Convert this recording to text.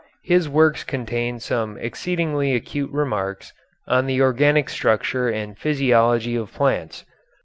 His works contain some exceedingly acute remarks on the organic structure and physiology of plants.